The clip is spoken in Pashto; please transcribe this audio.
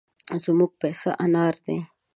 زموږ پيسه انار دي.